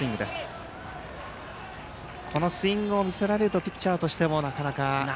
このスイングを見せられるとピッチャーとしてはなかなか。